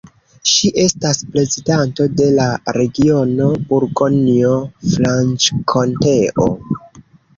Ŝi estas prezidanto de la regiono Burgonjo-Franĉkonteo.